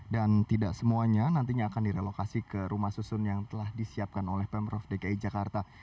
dan tidak semuanya nantinya akan direlokasi ke rumah susun yang telah disiapkan oleh pemprov dki jakarta